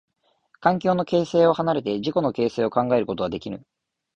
環境の形成を離れて自己の形成を考えることはできぬ。